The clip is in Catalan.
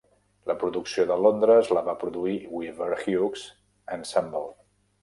La producció de Londres la va produir Weaver Hughes Ensemble.